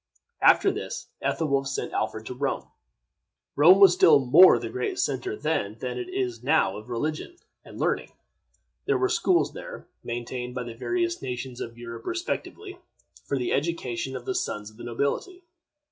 After this, Ethelwolf sent Alfred to Rome. Rome was still more the great center then than it is now of religion and learning. There were schools there, maintained by the various nations of Europe respectively, for the education of the sons of the nobility.